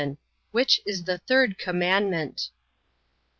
Which is the third commandment?